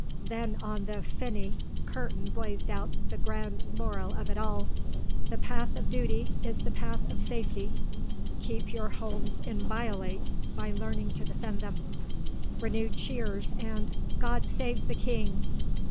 Then on the Finis curtain blazed out the grand moral of it all: "The Path of Duty is the Path of Safety. Keep your homes inviolate by learning to Defend them." (Renewed cheers, and "God Save the King").